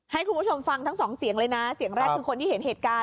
ให้คุณผู้ชมฟังทั้งสองเสียงเลยนะเสียงแรกคือคนที่เห็นเหตุการณ์